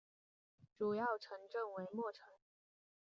主要城镇为莫城。